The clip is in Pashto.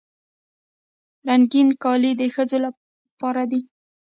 رنګین کالي د ښځو لپاره دي.